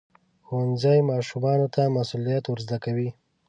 ښوونځی ماشومانو ته مسؤلیت ورزده کوي.